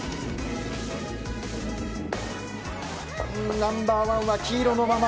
ナンバー１は黄色のまま。